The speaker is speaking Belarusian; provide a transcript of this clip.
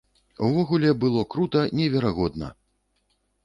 Увогуле, было крута, неверагодна!